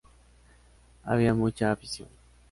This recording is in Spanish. Había mucha afición.